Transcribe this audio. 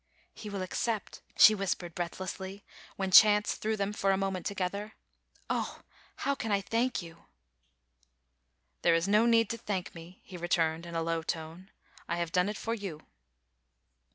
* He will accept,' she whispered breathlessly, when chance threw them for a moment together. * Oh, how can I thank you?' * There is no need to thank me,' he returned in a low tone. * I have done it for you.